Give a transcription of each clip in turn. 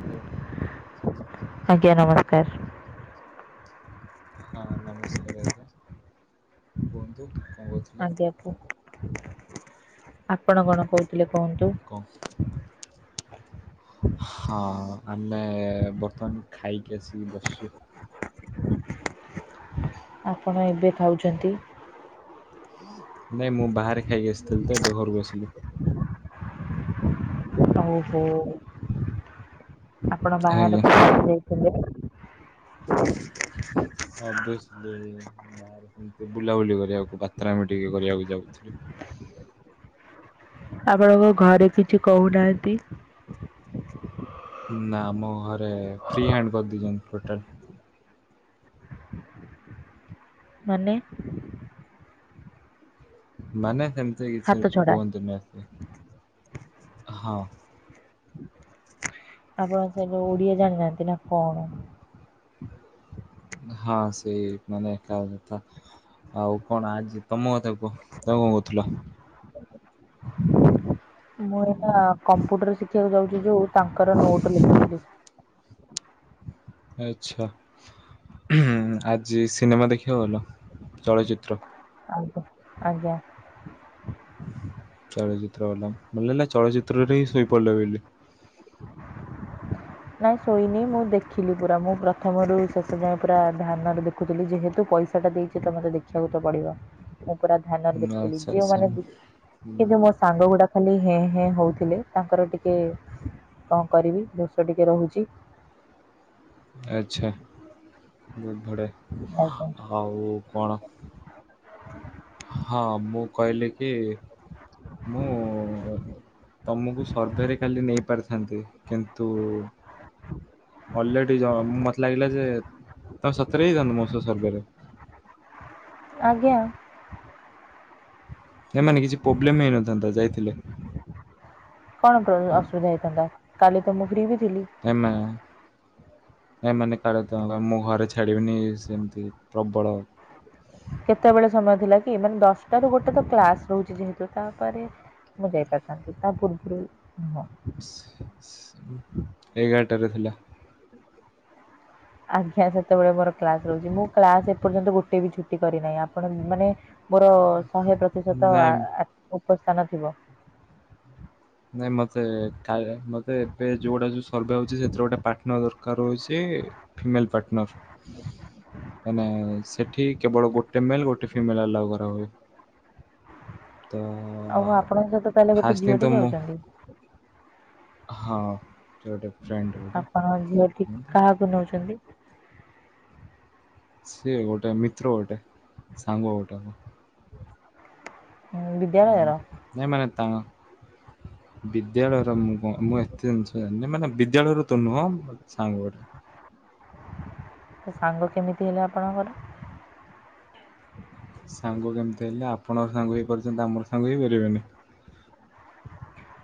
[unintelligible] ଆଜ୍ଞା ନମସ୍କାର। ହଁ ନମସ୍କାର ଆଜ୍ଞା କୁହନ୍ତୁ। କଣ କହୁଥିଲେ? ଆଜ୍ଞା ଆପଣ କଣ କହୁଥିଲେ କୁହନ୍ତୁ। କ। ହଁ ଆମେ ବର୍ତ୍ତମାନ ଖାଇକି ଆସିକି ବସୁଚୁ। ଆପଣ ଏବେ ଖାଉଛନ୍ତି। ନାଇଁ ମୁଁ ବାହାରେ ଖାଇକି ଆସିଥିଲି ତ ଏବେ ଘରକୁ ଆସିଲି। ଓହୋ ଆପଣ ଆଜ୍ଞା। ବାହାରକୁ କଣ ପାଇଁ ଯାଇଥିଲେ। ଅଵ୍ୟସିଲ ବୁଲାବୁଲି କରିବାକୁ ବାତ୍ରାମି ଟିକେ କରିବାକୁ ଯାଉଥିଲୁ। ଆପଣଙ୍କ ଘରେ କିଛି କହୁନାହାନ୍ତି। ନା ଆମ ଘରେ ଫ୍ରି ହ୍ୟାଣ୍ଡ କରିଦେଇଛନ୍ତି ଟୋଟାଲ। ମାନେ ମାନେ ସେମତି କିଛି ହାତ ଛଡା। କୁହନ୍ତି ନି ହଁ। ଆପଣ ସେଠି ଓଡିଆ ଜାଣିନାହାନ୍ତି ନା କଣ? ହଁ ସେଇ ମାନେ ଆଉ କଣ ଆଜି ତମ କଥା କୁହ ତମେ କଣ କହୁଥିଲ। । [unintelligible] ମୁଁ ଏଟା କମ୍ପ୍ୟୁଟର ଶିଖିବାକୁ ଯାଉଛି ଯୋଉ ତାଙ୍କର ନୋଟ ଲେଖୁଥିଲି। ଆଛା ଆଜି ସିନେମା ଦେଖିବାକୁ ଗଲ ଚଳଚିତ୍ର। ଆଜ୍ଞା ଆଜ୍ଞା। ଚଳଚିତ୍ର ବାଲା ନା ନାଇ ଚଳଚିତ୍ରରେ ହିଁ ଶୋଇପଡ଼ିଲ ବୋଲି। ନାହିଁ ଶୋଇନି ମୁଁ ଦେଖିଲି ପୁରା ମୁଁ ପ୍ରଥମରୁ ଶେଷ ଯାଏଁ ପୁରା ଧ୍ୟାନରେ ଦେଖୁଥିଲି ଯେହେତୁ ପଇସାଟା ଦେଇ ସେତ ମତେ ଦେଖିବାକୁ ତ ପଡିବ ମୁଁ ପୁରା ଧ୍ୟାନରେ ଦେଖୁଥିଲି ଆଚ୍ଛା ଯେଉଁ ଆଚ୍ଛା ମାନେ ବି ଏ ଯୋଉ ବ- ମୋ ସାଙ୍ଗ ଗୁଡା ଖାଲି ହେଁ ହେଁ ହଉଥିଲେ ତାଙ୍କର ଟିକେ କଁ କରିବି। ଟିକେ ରହୁଚି। ଆଛା ବହୁତ ବଢ଼ିଆ, ଆଜ୍ଞା ଆଉ କଣ? ହଁ ମୁଁ କହିଲି କି ମୁଁ ତମକୁ ସର୍ଭେରେ କାଲି ନେଇ ପାରିଥାନ୍ତି କିନ୍ତୁ ଅଲରେଡି ମତେ ଲାଗିଲା ଯେ ତମେ ସତରେ ହେଇଯାନ୍ତ ମୋ ସହିତ ସର୍ବେ ରେ? ଆଜ୍ଞା। ସେମାନେ କିଛି ପ୍ରୋବ୍ଲେମ୍ ହେଇନଥାନ୍ତା ଯାଇଥିଲେ। କଣ ଅସୁବିଧା ହେଇଥାନ୍ତା କାଲି ତ ମୁଁ ଫ୍ରି ବି ଥିଲି। ଏମା। ନାଇଁ ମାନେ କାଳେ ମୁଁ ଘରେ ଛାଡ଼ିବିନି ଇଏ ସେମିତି ପ୍ରବଳ କେତେବେଳେ ସମୟ ଥିଲା କି ମାନେ ଦଶଟା ରୁ ଗୋଟେ ତ କ୍ଲାସ ରହୁଛି ଯେହେତୁ ତାପରେ ମୁଁ ଯାଇ ପାରିଥାନ୍ତି ତା ପୁର୍ବୁ ରୁ ହଁ। ଏଗାରଟାରେ ଥିଲା। ଆଜ୍ଞା ସେତେବେଳେ ମୋର କ୍ଲାସ ରହୁଛି ମୁଁ କ୍ଲାସ ଏପର୍ଯ୍ୟନ୍ତ ଗୋଟେ ବି ଛୁଟି କରିନାହିଁ, ଆପଣ ମାନେ ମୋର ଶହେ ପ୍ରତିଶତ ଆ ନାଇଁ ଉପସ୍ଥାନ ଥିବ। ନାଇଁ ମତେ କା ମତେ ଏବେ ଯୋଉ ଗୋଟା ଯୋଉ ସର୍ଭେ ହଉଛି ସେଥିରେ ଗୋଟେ ପାର୍ଟନ ଦରକାର ହଉଚି। Female partner. [inaudible] ମାନେ ସେଠି କେବଳ ଗୋଟେ ମେଲ ଗୋଟେ ଫିମେଲ ଆଲାଓ କରା ହୁଏ। ଆଉ ତହଁ ଆପଣଙ୍କ ସହିତ ତାହେଲେ ଫା ଗୋଟେ ଷ୍ଟି ଝିଅଟି ତ ମୁଁ ଯାଉଛନ୍ତି ହଁ। ସେ ଗୋଟେ ଫ୍ରେଣ୍ଡ ଗୋଟେ ଆପଣ ଝିଅ ଠିକ କାହାକୁ ନୋଉଛନ୍ତି। ସିଏ ଗୋଟେ ମିତ୍ର ଗୋଟେ ସାଙ୍ଗ ଗୋଟେ। ହଁ ବିଦ୍ୟାଳୟର। ନାଇ ମାନେ ତା ବିଦ୍ୟାଳୟର ମୁ ମୁଁ ଏତେ ଜିନିଷ ଜାନି ମାନେ ବିଦ୍ୟାଳୟରୁ ତ ନୁହଁ। ସାଙ୍ଗ ଗୋଟେ। ସାଙ୍ଗ କେମିତି ହେଲା ଆପଣଙ୍କର? ସାଙ୍ଗ କେମିତି ହେଲେ ଆପଣଙ୍କ ସାଙ୍ଗ ହେଇପାରୁଛନ୍ତି ଆମର ସାଙ୍ଗ ହେଇପାରିବେନି।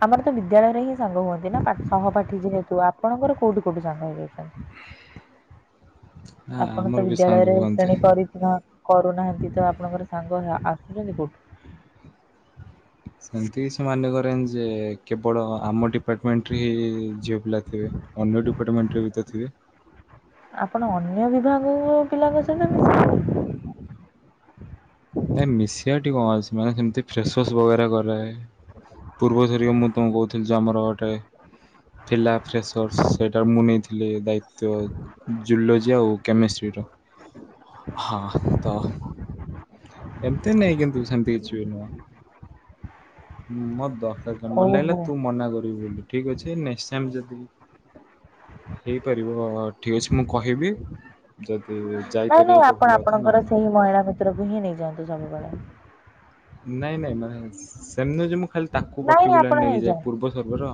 ଆମର ତ ବିଦ୍ୟାଳୟରେ ହିଁ ସାଙ୍ଗ ହୁଅନ୍ତି ନା ସହପାଠୀ ଯେହେତୁ ଆପଣଙ୍କର କୋଉଠି କୋଉଠି ସାଙ୍ଗ ହେଇଯାଉଛନ୍ତି? ହଁ ଆପଣ ଆମର ତ ବି ସାଙ୍ଗ ବିଦ୍ୟାଳୟରେ ହୁଅନ୍ତି। ଶ୍ରେଣୀ କରି କରୁନାହାନ୍ତି ତ ଆପଣଙ୍କର ସାଙ୍ଗ ଆସୁଛନ୍ତି କୋଉଠୁ? ସେମିତି କିଛି ମାନେ କରେନି ଯେ କେବଳ ଆମ ଡିପାର୍ଟମେଣ୍ଟରେ ହିଁ ଝିଅ ପିଲା ଥିବେ। ଅନ୍ୟ ଡିପାର୍ଟମେଣ୍ଟରେ ବି ତ ଥିବେ। ଆପଣ ଅନ୍ୟ ବିଭାଗ ପିଲାଙ୍କ ସହିତ ମିଶିଲେଣି। ନାଇଁ ମିଶିବାଟି କଣ ଅଛି ମାନେ ସେମତି ଫ୍ରେସସ ବଗେରା କରେ। ପୂର୍ବ ଥର ମୁଁ ତମକୁ କହୁଥିଲି ଯେ ଆମର ଗୋଟେ ଥିଲା ଫ୍ରେସର୍ସ ସେଇଟା ମୁଁ ନେଇଥିଲି ଦାୟିତ୍ୱ। ଜୁଲୋଜି ଆଉ କେମିଷ୍ଟ୍ରିର ହଁ ତ। ଏମିତି ନେଇଁ କିନ୍ତୁ ସେମତି କିଛିବି ହେଲା ମଦ। ଓହୋ! ମଲାଇଲା ତୁ ମନା କରିବୁ ବୋଲି ଠିକ ଅଛି ନେଷ୍ଟ ଟାଇମ ଯଦି ହେଇପାରିବ ଠିକ ଅଛି ମୁଁ କହିବି ଯଦି ଯାଇପାରିବତ ଭଲ କଥା ନହେନେ [unintelligible] ପ୍ରଭୁହିଁ ନେଇଯାଆନ୍ତୁ ସବୁବେଳେ। ନାଇଁ ନାଇଁ ନାଇଁ ସେମିତି ଯିମୁଁ ଖାଲି। ତାକୁ ନାଇଁ ପର୍ଟିକୁଲାର ଆପଣ ନେଇକିଯାଏ ନେଇଯାଆନ୍ତୁ। ପୂର୍ବ ସର୍ଭର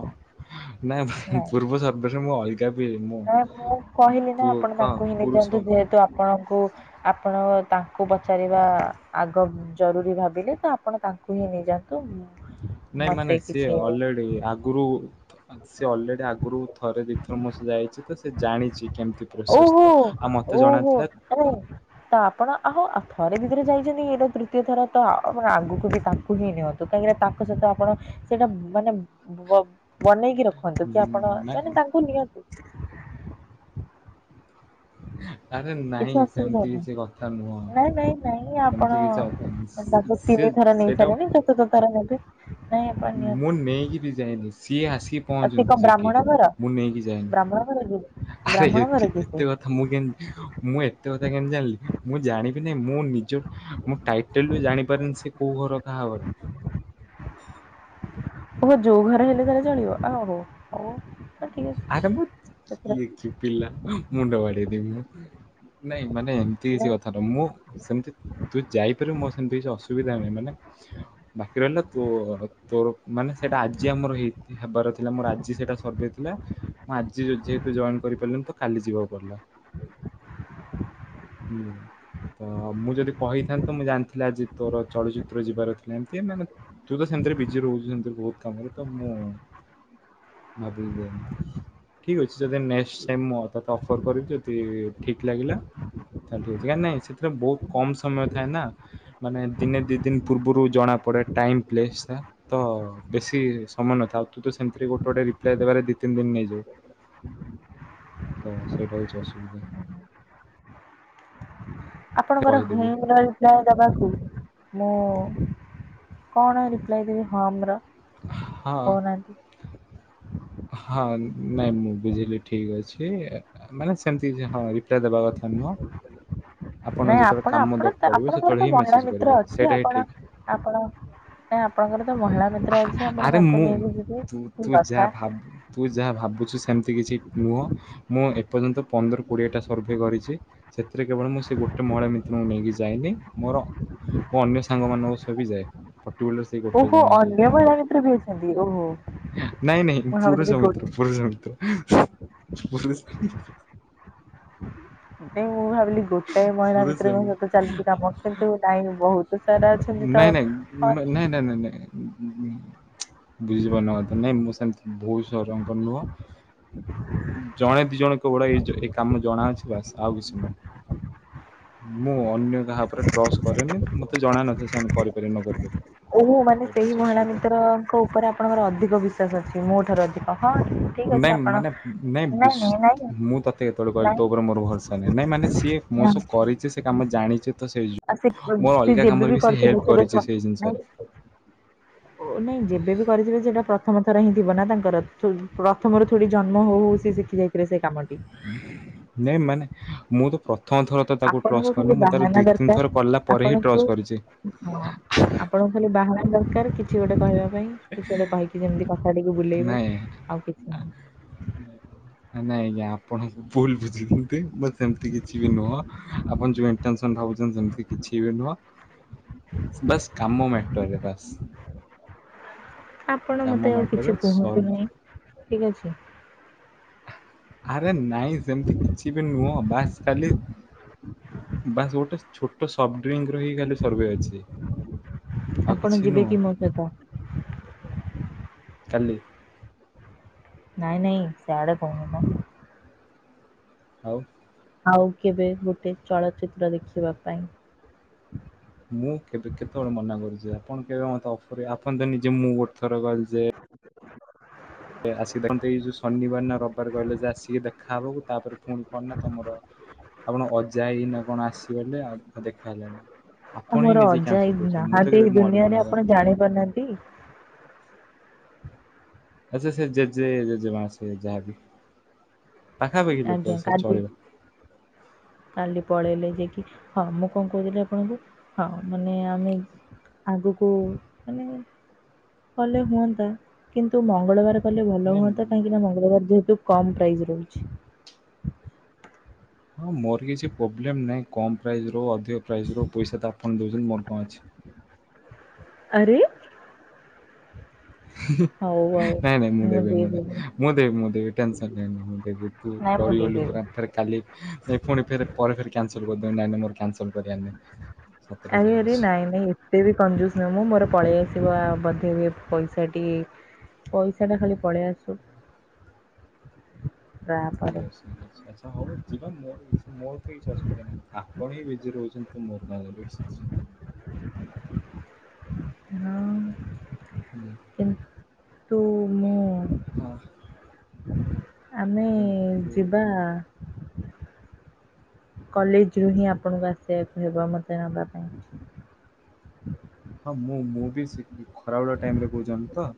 ନା ପୂର୍ବ [unintelligible] କେବି ମୁଁ। ସାର ମୁଁ କହିଲିନା ପୁଅ ଆପଣ କଣ ତାଙ୍କୁହିଁ ପୁରୁଷ ନେଇଯାନ୍ତୁ ଯେହେତୁ ଆପଣଙ୍କୁ ଆପଣ ତାଙ୍କୁ ପଚାରିବା ଆଗ ଜରୁରୀ ଭାବିଲେତ ଆପଣ ତାଙ୍କୁହିଁ ନେଇଯାଆନ୍ତୁ। [inaudible] ନାଇଁ ମାନେ ସିଏ କିଛି ଅଲରେଡି ଆଗରୁ ସିଏ ଅଲେ ଏ ଆଗରୁ ଥରେ ଦିଇଥର ମୋ ସହ ଯାଇଚିତ ସେ ଜାଣିଛି କେମିତି ଓହୋ ପ୍ରୋସେସତ ଓହୋ [unintelligible] ତ ଆପଣ ଆହୋ ଥରେ ଦିଥର ଯାଇଛନ୍ତିକି ଏଇଟା ତୃତୀୟ ଥରତ ଆ ଆଗକୁବି ତାଙ୍କୁହିଁ ନିଅ। କାହିଁକିନା ତାଙ୍କ ସହିତ ଆପଣ ସେଇଟା ମାନେ ବ ବନେଇକି ରଖ। କି ଆପଣ ନା ମାନେ ତାଙ୍କୁ ନିଅନ୍ତୁ। ଆରେ ନାଇଁ କିଛି ଅସୁବିଧା ସେମିତି କିଛି କଥା ନୁହଁ। ନାହିଁ ନାଇଁ ନାଇଁ ନାଇଁ ସେମିତି ଆପଣ? କିଛି କଥା ନାହିଁ। ତ ତାକୁ ସେ ତିନି ଥର ନେଇ ସେଇଟା ସାରିଲେଣି ଚତୁର୍ଥ ଥର ନେବେ। ନାଇଁ ଆପଣ ନିଅନ୍ତୁ ମୁଁ ନେଇକିବି ଯାଏନି ସିଏ ଆସିକି ଆଉ ସେ କଣ ପହଞ୍ଚନ୍ତୁ ସେଠି। ବ୍ରାହ୍ମଣ ଘର ମୁଁ ନେଇକି ବ୍ରାହ୍ମଣ ଘର କି? ଯାଏନି ଆରେ ବ୍ରାହ୍ମଣ ଘର ଏତେ କି ସେ ଏତେ କଥ ମୁଁ କେମିତି ମୁଁ ଏତେ କଥା କେମତି ଜାଣିଲି ମୁଁ ଜାଣିବିନି ନି ମୁଁ ନିଜ ମୁ ଟାଇଟେଲରୁ ଜାଣିପାରିନି ସେ କୋଉ ଘର କାହା ଘର ଓହୋ ଯୋଉ ଘରେ ହେଲେ ତାହେଲେ ଚଳିବ ଆହୋଉ ହୋଉ। ଆରେ ମୁଁ ଇଏକି ପିଲା ମୁଣ୍ଡ ବାଡେଇଦେବି ମୁଁ। ନାଇଁ ମାନେ ଏମିତି କିଛି ନାଇଁ କଥା ନୁହଁ ମୁଁ ସେମିତି ତୁ ଯାଇପାରିବୁ ମୋ ସେମିତି କିଛି ଅସୁବିଧା ନାହିଁ ମାନେ ବାକି ରହିଲା ତୋ ତୋର ମାନେ ସେଇଟା ଆଜି ଆମର ହେଇ ହେବାର ଥିଲା ମୋର ଆଜି ସେଟା ସର୍ଭେ ଥିଲା ମୁଁ ଆଜି ଯୋ ଯେହେତୁ ଜଏନ କରିପାରିଲିନିତ କାଲି ଯିବାକୁ ପଡିଲା। [unintelligible] ତ ମୁଁ ଯଦି କହିଥାନ୍ତି ମୁଁ ଜାଣିଥିଲି ଆଜି ତୋର ଚଳଚିତ୍ର ଯିବାର ଥିଲା ଏମିତି ମାନେ ତୁ ତ ସେମିତିରେ ବିଜି ରହୁଛୁ ସେମିତିରେ ବହୁତ କାମରେତ ମୁଁ ମାବିଲ ଜୟନ୍ତି। ଠିକ ଅଛି ଯଦି ନେଷ୍ଟ ଟାଇମ ମୁଁ ତତେ ଅଫର କରିଚି ଯଦି ଠିକ ଲାଗିଲା [unintelligible] ନାଇଁ ସେଥିରେ ବହୁତ କମ ସମୟ ଥାଏନା ଦିନେ ଦି ଦିନ ପୂର୍ବରୁ ଜଣାପଡେ ଟାଇମ ପ୍ଲେସଟା। ତ ବେଶୀ ସମୟ ନଥାଏ ଆଉ ତୁତ ସେମିତିରେ ଗୋଟେ ଗୋଟେ ରିପ୍ଲାଏ ଦେବାରେ ଦି ତିନି ଦିନ ନେଇଯିବୁ। [inaudible] ତ ସେଇଟା ହଉଚି ଅସୁବିଧା। ଆପଣଙ୍କର କହିଦେବି ହୁଁମ ଗାର୍ଡ। ଯାଅ ଦବାକୁ ମୁଁ କଣ ରିପ୍ଲାଏ ଦେବି ହଁମର? ହଁ କହୁନାହାନ୍ତି। ହଁ ନାଇଁ ମୁଁ ବୁଝିଲି ଠିକ ଅଛି। ମାନେ ସେମିତି କିଛିନାହିଁ ହଁ ରିପ୍ଲାଏ ଦେବା କଥା ନୁହଁ। ନାଇଁ ଯେତେବେଳେ ଆପଣ କାମ ଦର ଆପଣତ ପଡ଼ିବ ସେତେବେଳେ ଆପଣଙ୍କରତ ହିଁ ମହିଳା ମେସେଜ୍ ମିତ୍ର କରିବେ ଅଛି ସେଇଟା ହିଁ ଆପଣ? ଠିକ୍। ଆପଣ ନାଇଁ ଆପଣଙ୍କର ତ ମହିଳା ମିତ୍ର ଆହା ଅଛି ଆପଣ ଆରେ ତାଙ୍କୁ ମୁଁ ନେଇକି ଯିବେ ତୁ କି ତୁ ଯାହା କଥା। ଭାବୁ ତୁ ଯାହା ଭାବୁଛୁ ସେମିତି କିଛି ନୁହଁ। ମୁଁ ଏପର୍ଯ୍ୟନ୍ତ ପନ୍ଦର କୋଡିଏଟା ସର୍ଭେ କରିଛି ସେଥିରେ କେବଳ ମୁଁ ସେ ଗୋଟେ ମହିଳା ମିତ୍ରଙ୍କୁ ନେଇକି ଯାଇନି ମୋର। ମୁଁ ଅନ୍ୟ ସାଙ୍ଗ ମାନଙ୍କ ସହ ବି ଯାଏ ପଟିକୁଲାର ସେଇ ଗୋଟେ ଓହୋ ଜଣଙ୍କ ଅନ୍ୟ ସହ। ନୁହଁ ମହିଳା ମିତ୍ର ବି ଅଛନ୍ତି ଓହୋ ନାଇଁ ନାଇଁ ମୁଁ ଭାବିଥିଲି ପୁରୁଷ ଗୋ ମିତ୍ର। ପୁରୁଷ ମିତ୍ର ପୁରୁଷ ଏବେ ମୁଁ ଭାବିଲି ଗୋଟାଏ ମହିଳା ପୁରୁଷ ମିତ୍ରଙ୍କ ମି ସହିତ ଚାଲିଛି କାମ କିନ୍ତୁ ନାହିଁ ବହୁତ ସାରା ଅଛନ୍ତି ତ ନାହିଁ ନାଇ ନାଇଁ ନାଇଁ ଉଁ ‌ବୁଝିପାରୁନ କଥା ‌ନାହିଁ ମୁଁ ସେମିତି ବହୁତ ସାରଙ୍କ ନୁହଁ। ଜଣେ ଦି ଜଣ କେବଳ ଏ ଇ ଯ ଏଇ କାମ ଜଣା ଅଛି ବାସ ଆଉ କିଛି ନୁହଁ। [unintelligible] ମୁଁ ଅନ୍ୟ କାହା ଉପରେ ଟ୍ରସ୍ କରେନି ମତେ ଜଣ ନଥାଏ ସେମାନେ କରିପାରିବେ ନ କରିପାରିବେ। ଓହୋ ମାନେ ସେଇଟା ସେଇ ହଉଛି ମହିଳା ଅସୁବିଧା ମିତ୍ରଙ୍କ ଉପରେ ଆପଣଙ୍କର ଅଧିକ ବି ବିଶ୍ୱାସ ଅଛି ମୋ ଠାରୁ ଅଧିକ ହଁ ଠିକ ନାଇଁ ଅଛି ଆପଣ ମାନେ ବିଶ ନାଇଁ ନାଇଁ ନାଇଁ ମୁଁ ତତେ କେତେବେଳେ କହିଲି ନାଇଁ ତୋ ଉପରେ ମୋର ଭରସା ନାଇଁ ମାନେ ସିଏ ମୋ ନା। ସହ କରିଛି ସେ କାମ ଜାଣିଛି ତ ସେଇ ଯୋ ଆଉ ସେ ସେ ଯେବେ ବି କରିଛନ୍ତି ସେବେ ସେଇ ଜିନିଷରେ [inaudible] ଓ ନାଇଁ ଯେବେବି କରିଥିବେ ସେଟା ପ୍ରଥମ ଥର ହିଁ ଥିବ ନା ତାଙ୍କର। ପ୍ରଥମରୁ ଥୋଡି ଜନ୍ମ ହଉ ହଉ ସେ ଶିଖି ଯାଇଥିଲେ ସେ କାମଟି। ନାଇଁ ମାନେ ମୁଁ ତ ପ୍ରଥମ ଥର ତ ତାକୁ ଆପଣଙ୍କୁ ଟ୍ରଷ୍ଟ କରିନି ଖାଲି ମୁଁ ତାର ବାହାନା ଦି ତିନି ଦରକାର ଥର କଲା ପରେ ହିଁ ଆପଣଙ୍କୁ ଟ୍ରସ୍ କରିଛି। ହଁ ଆପଣଙ୍କୁ ଖାଲି ବାହାନା ଦରକାର କିଛି ଗୋଟେ କହିବା ପାଇଁ କିଛି ଗୋଟେ କହିକି ଯେମିତି କଥାଟିକୁ ଭୁଲେଇବେ। ନାଇଁ ଆଉ କିଛି ନାହିଁ। ନାଇଁ ଆଜ୍ଞା ଆପଣଙ୍କୁ ଭୁଲ ବୁଝୁଛ ନ୍ତି ବଟ୍ ସେମିତି କିଛି ବି ନୁହଁ ଆପଣ ଯୋଉ ଇନଟେନ୍ସନ ଭାବୁଛନ୍ତି ସେମତି କିଛି ବି ନୁହଁ। ବାସ୍ କାମ ମ୍ୟାଟର ରେ ବାସ୍। ଆପଣ ମତେ କାମ ଆଉ କିଛି ମ୍ୟାଟର କୁହନ୍ତୁ ସଲ୍ଭ। ନାହିଁ ଠିକ ଅଛି। ଆରେ ନାଇଁ ସେମିତି କିଛି ବି ନୁହଁ ବାସ୍ ଖାଲି ବାସ୍ ଗୋଟେ। ଛୋଟ ସଫ୍ଟ ଡ୍ରିଙ୍କ ର ହି ଖାଲି ସର୍ଭେ ଅଛି। ଆଉ ଆପଣ କିଛି ଯିବେ ନୁହଁ କି ମୋ ସହିତ? କାଲି। ନାଇଁ ନାଇଁ ସିୟାଡେ କହୁନି ମ। ଆଉ। ଆଉ କେବେ ଗୋଟେ ଚଳଚିତ୍ର ଦେଖିବା ପାଇଁ। ମୁଁ କେବେ କେତେବେଳେ ମନା କରୁଛି ଆପଣ କେବେ ମତେ ଅଫର ରେ ଆପଣ ତ ନିଜେ ମୁଁ ଗୋଟେ ଥର କହିଲି ଯେ ଆସିକି ଦେଖନ୍ତି ଏଇ ଯୋଉ ଶନିବାର ନା ରବିବାର କହିଲେ ଯେ ଆସିକି ଦେଖାହବାକୁ ତାପରେ ପୁଣି କଣ ନା ତମର। ଆପଣଙ୍କ ଅଜା ଆଇ ନା କଣ ଆସିଗଲେ ଆଉ ଆଉ ଦେଖା ହେଲାନି। ଏ ଆପଣ ହିଁ ମୋର ନିଜେ ଅଜା ଆଇ କ୍ୟାନସଲ୍ କରୁଛନ୍ତି ମୁଁ ତ ନାହାନ୍ତି କେବେ ଏଇ ମୋ ଆଡୁ ମନା ଦୁନିଆରେ ଆପଣ କରିନି। ଜାଣି ପାରୁନାହାନ୍ତି। ଆଛା ସେ ଜେଜେ ଜେଜେ ମା ସେ ଯାହାବି ପାଖାପାଖି ଲୋକ ଆଜ୍ଞା ସେ ଚଳିବ। [unintelligible] କାଲି ପଳେଇଲେ ଯିଏ କି ହଁ ମୁଁ କଣ କହୁଥିଲି ଆପଣଙ୍କୁ ହଁ ମାନେ ଆମେ। ଆଗକୁ ମାନେ କଲେ ହୁଅନ୍ତା କିନ୍ତୁ ମଙ୍ଗଳବାରେ। କଲେ ଭଲ ନାଇଁ ହୁଅନ୍ତା କାହିଁକି ନା ମଙ୍ଗଳବାର ଯେହେତୁ କମ୍ ପ୍ରାଇସ୍ ରହୁଛି। ହଁ ମୋର କିଛି ପ୍ରୋବ୍ଲେମ୍ ନାହିଁ କମ୍ ପ୍ରାଇସ୍ ରଅଧିକ ପ୍ରାଇସ୍ ର ପଇସା ତ ଆପଣ ଦେଉଛନ୍ତି ମୋର କଣ ଅଛି। ଆରେ! [unintelligible] ହଉ ଆଉ ନାଇଁ ନାଇଁ ମୁଁ ଦେବି ମୁଁ ମୁଁ ଦେବି ମୁଁ ଦେବି ଟେନସନ୍ ନିଅନି ମୁଁ ଦେବି ତୁ ନାଇଁ ମୁଁ ଡରିୁ ଦେଇଦେବି ପୁରା ଥରେ। କାଲି ପୁଣି ଫେରେ କଲ୍ ବେ କ୍ୟାନସଲ୍ କରିଦେବୁ ନାଇଁ ନାଇଁ ମୋର କ୍ୟାନସଲ କରିବାର ନାହିଁ। ସତରେ ଆରେ ଯିବାର ଆରେ ଅଛି। ନାଇଁ ନାଇଁ। କେତେ ବି କଞ୍ଜୁସ୍ ନୁହେଁ ମୁଁ ମୋର ପଳେଇ ଆସିବ ଆ ପଛରେ ପଇସାଟି। ପଇସା ଟା ଖାଲି ପଳେଇ ଆସୁ। ଠିକ୍ ତାପରେ ଅଛି ଠିକ୍ ଅଛି ଆଛା ହବ ଯିବା ମୋର ମୋର କିଛି ଅସୁବିଧା ନାହିଁ ଆପଣ ହିଁ ବିଜି ରହୁଛନ୍ତି ମୋ ସାଙ୍ଗରେ। [unintelligible] ହୁଁ। ତୁ ମୁଁ ହଁ। ଆମେ କିନ୍ତୁ ଯିବା କଲେଜ ରୁ ହିଁ ଆପଣଙ୍କୁ ଆସିବାକୁ ହେବ ମତେ ନବା ପାଇଁ। [unintelligible] ହଁ ମୁଁ ମୁଁ ବି ସେ ଖରା ବେଳ ଟାଇମରେ କୋହୁଛନ୍ତି ତ?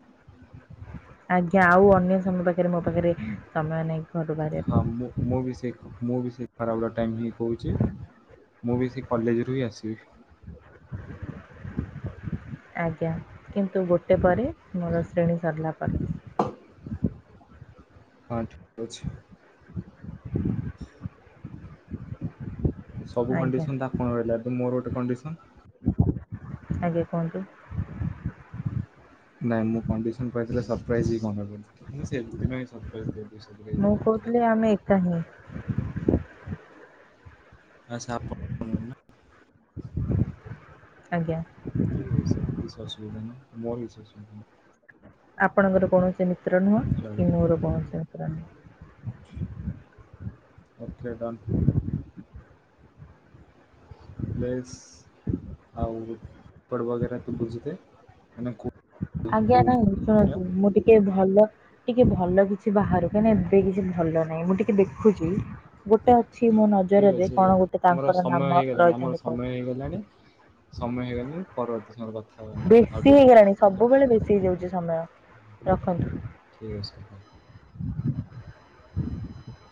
ଆଜ୍ଞା ଆଉ ଅନ୍ୟ ସମୟ ପାଖରେ ମୋ ପାଖରେ ସମୟ ନାହିଁ। [unintelligible] ହଁ ମୁଁ ମୁଁ ବି ସେଇ ମୁଁ ବି ସେଇ ଖରାବେଳ ଟାଇମ୍ ହିଁ କହୁଚି, ମୁଁ ବି ସେଇ କଲେଜରୁ ହିଁ ଆସିବି। [inaudible] ଆଜ୍ଞା କିନ୍ତୁ ଗୋଟେ ପରେ ମୋର ଶ୍ରେଣୀ ସରିଲା ପରେ। ହଁ ଠିକ ଅଛି। [inaudible] ସବୁ ଆଜ୍ଞା କଣ୍ଡିସନ ତ ଆପଣଙ୍କ ରହିଲା ମୋର ଗୋଟେ କଣ୍ଡିସନ। ଆଜ୍ଞା କୁହନ୍ତୁ। ନାଇଁ ମୁଁ କଣ୍ଡିସନ କହିି ଦେଲେ ସରପ୍ରାଇଜ କଣ ଦେବି, ମୁଁ ସେଇଥି ପାଇଁ ସର୍ପ୍ରାଇଯ ଦେବି। ମୁଁ କୋହୁଥିଲି ଆମେ ଏକା ହିଁ। ଆଚ୍ଛା ଆପଣ ନା ଆଜ୍ଞା। [unintelligible] ଆପଣଙ୍କର କୌଣସି ମିତ୍ର ନୁହଁ କି ମୋର କୌଣସି ମିତ୍ର ନୁହଁ। Okay Don. [unintelligible] ଆଜ୍ଞା କୋଉ [unintelligible] କୁହନ୍ତୁ ମୁଁ ଟି ଟିକେ ଭଲ ଟିକେ ଭଲ କିଛି ବାହାରୁ କାହିଁକିନା ଏବେ କିଛି ଭଲ ନାହିଁ ମୁଁ ଟିକେ ଦେଖୁଚି। ଗୋଟେ ଅଛି ମୋ ଠିକ୍ ନଜରରେ ଅଛି କଣ ଗୋଟେ ଆମର ତାଙ୍କର ସମୟ ନାମ ହେଇଗଲାଣି ଆମର ରହିଥାନ୍ତୁ କହୁ ସମୟ ହେଇଗଲାଣି। ସମୟ ହେଇଗଲେ ପରବର୍ତ୍ତୀ ର କଥା। ହେବା ଆମେ ଆଉ ବେଶୀ ଟିକେ ପରେ ହେଇଗଲାଣି ବୁଝିଲୁ ସବୁବେଳେ ବେଶୀ ହେଇଯାଉଚି ସମୟ ରଖନ୍ତୁ। ଠିକ୍ ଅଛି। [inaudible]